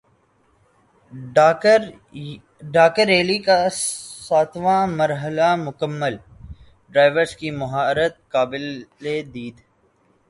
Dakar Rally کا ساتواں مرحلہ مکمل ڈرائیورز کی مہارت قابل دید